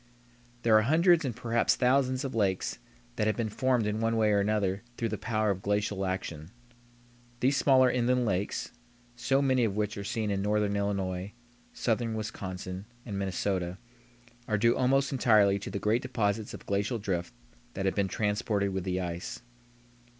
There are hundreds and perhaps thousands of lakes that have been formed in one way or another through the power of glacial action. These smaller inland lakes, so many of which are seen in northern Illinois, southern Wisconsin, and Minnesota, are due almost entirely to the great deposits of glacial drift that have been transported with the ice.